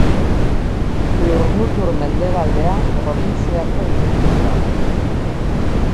Lurmutur Mendebaldea probintziako hiriburua da.